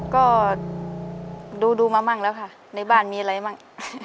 ก็ดูมามั่งแล้วค่ะในบ้านมีอะไรมั่ง